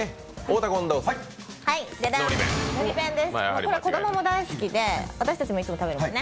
のり弁です、これ、子供も大好きで、私たちもいつも食べてます。